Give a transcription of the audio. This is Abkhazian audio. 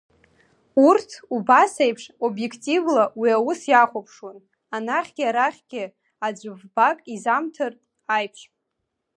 Урҭ убас аиԥш обиективла уи аус иахәаԥшуан, анахьгьы арахьгьы аӡәы вбак изамҭартә аиԥш.